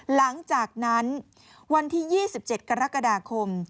หลังจากนั้นวันที่๒๗กรกฎาคม